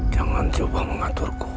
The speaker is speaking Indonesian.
jangan coba mengaturku